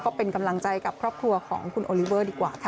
ก็เป็นกำลังใจกับครอบครัวของคุณโอลิเวอร์ดีกว่าค่ะ